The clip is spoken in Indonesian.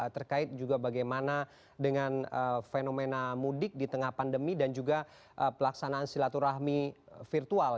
terkait juga bagaimana dengan fenomena mudik di tengah pandemi dan juga pelaksanaan silaturahmi virtual